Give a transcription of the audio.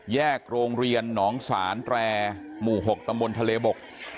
แยกโรงเรียนหนองศาลแตรหมู่๖ตำบลทะเลบก